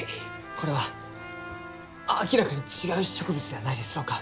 これは明らかに違う植物ではないですろうか？